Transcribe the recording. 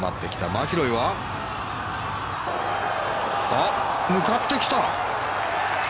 マキロイは向かってきた。